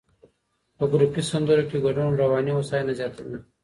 په ګروپي سندرو کې ګډون رواني هوساینه زیاتوي.